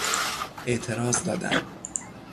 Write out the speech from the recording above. اعتراض دادن